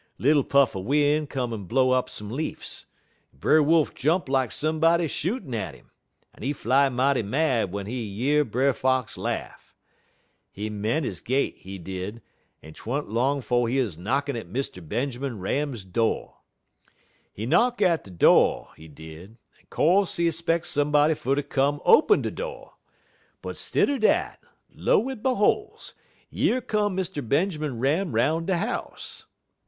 "Little puff er win' come en blow'd up some leafs, en Brer Wolf jump lak somebody shootin' at 'im, en he fly mighty mad w'en he year Brer Fox laugh. He men' he gait, he did, en 't wa'n't 'long 'fo' he 'uz knockin' at Mr. Benjermun Ram do'. "He knock at de do', he did, en co'se he 'speck somebody fer ter come open de do'; but stidder dat, lo' en beholes yer come Mr. Benjermun Ram 'roun' de house.